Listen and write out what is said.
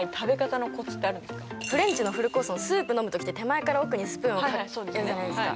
フレンチのフルコースのスープ飲む時って手前から奥にスプーンをやるじゃないですか。